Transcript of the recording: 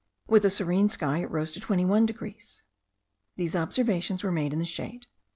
with a serene sky it rose to 21 degrees. These observations were made in the shade.